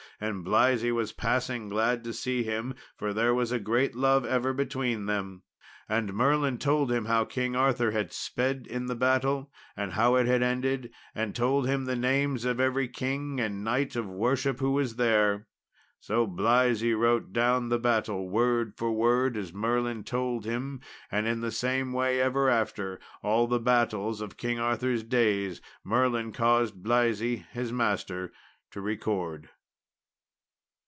And Blaise was passing glad to see him, for there was a great love ever between them; and Merlin told him how King Arthur had sped in the battle, and how it had ended; and told him the names of every king and knight of worship who was there. So Blaise wrote down the battle, word for word, as Merlin told him; and in the same way ever after, all the battles of King Arthur's days Merlin caused Blaise, his master, to record.